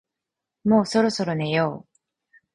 もうそろそろ寝よう